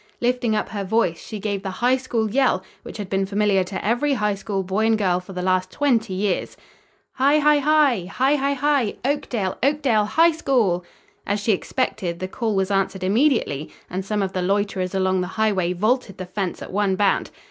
Lifting up her voice she gave the High School yell, which had been familiar to every High School boy and girl for the last twenty years: "Hi hi hi; hi hi hi; Oakdale, Oakdale, HIGH SCHOOL!" As she expected, the call was answered immediately, and some of the loiterers along the highway vaulted the fence at one bound.